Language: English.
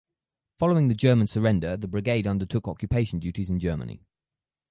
Following the German surrender the brigade undertook occupation duties in Germany.